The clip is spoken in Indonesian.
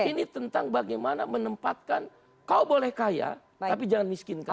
ini tentang bagaimana menempatkan kau boleh kaya tapi jangan miskin kaya